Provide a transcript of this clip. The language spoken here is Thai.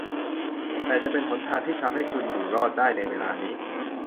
แต่จะเป็นหนทางที่ทำให้คุณอยู่รอดได้ในเวลานี้